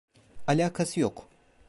Alakası yok.